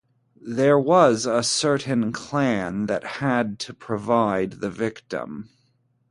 There was a certain clan that had to provide the victim.